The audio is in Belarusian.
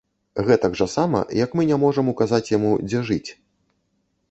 Гэтак жа сама, як мы не можам указаць яму, дзе жыць.